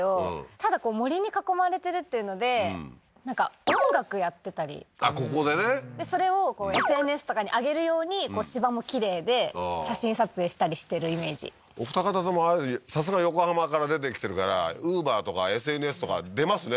ただ森に囲まれてるっていうのでなんか音楽やってたりここでねそれをＳＮＳとかに上げる用に芝もきれいで写真撮影したりしてるイメージお二方ともさすが横浜から出てきてるからＵｂｅｒとかＳＮＳとか出ますね